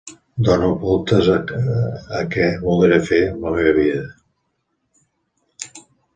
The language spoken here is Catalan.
Dono voltes a què voldré fer amb la meva vida!